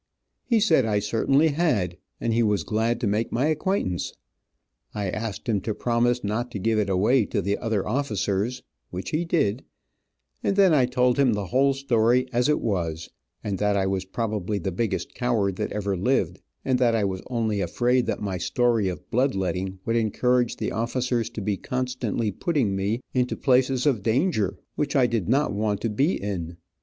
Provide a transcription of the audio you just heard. He said I certainly had, and he was glad to make my acquaintance. I asked him to promise not to give it away to the other officers, which he did, and then I told him the whole story, as it was, and that I was probably the biggest coward that ever lived, and that I was only afraid that my story of blood letting would encourage the officers to be constantly putting me into places of danger, which I did not want to be in.